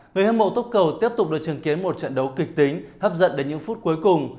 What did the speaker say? người hâm mộ tốc cầu tiếp tục được chứng kiến một trận đấu kịch tính hấp dẫn đến những phút cuối cùng